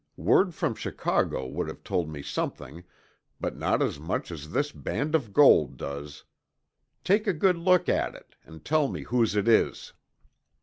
Word from Chicago would have told me something, but not as much as this band of gold does. Take a good look at it and tell me whose it is."